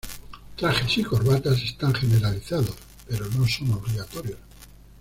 Trajes y corbatas están generalizados, pero no son obligatorios.